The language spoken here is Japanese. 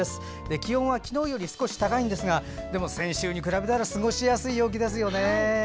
気温は昨日より少し高いんですが先週に比べたら過ごしやすい陽気ですよね。